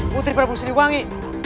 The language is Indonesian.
putri prabu seniwangi